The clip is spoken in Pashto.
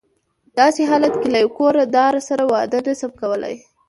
په داسې حالت کې له یوه کور داره سره واده نه شم کولای.